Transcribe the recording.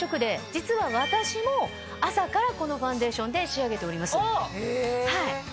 実は私も朝からこのファンデーションで仕上げております。